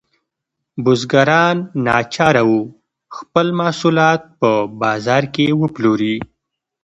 بزګران ناچاره وو خپل محصولات په بازار کې وپلوري.